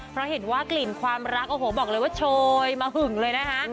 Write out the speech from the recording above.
เพราะเห็นว่ากลิ่นความรักโอ้โหบอกเลยว่าโชยมาหึงเลยนะคะ